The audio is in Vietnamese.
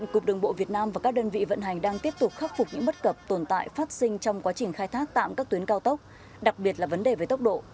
các đơn vị vận hành đang tiếp tục khắc phục những bất cập tồn tại phát sinh trong quá trình khai thác tạm các tuyến cao tốc đặc biệt là vấn đề về tốc độ